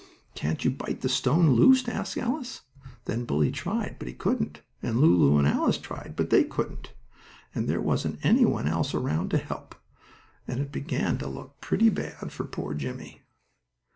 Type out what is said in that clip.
"Can't you bite the stone loose?" asked Alice. Then Bully tried, but he couldn't, and Lulu and Alice tried, but they couldn't. And there wasn't any one else around to help, and it began to look pretty bad for poor Jimmie.